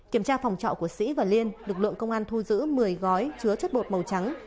kiểm tra phòng trọ của sĩ và liên lực lượng công an thu giữ một mươi gói chứa chất bột màu trắng